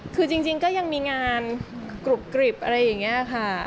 คือจริงก็ยังมีงานกรุบกริบอะไรอย่างนี้ค่ะ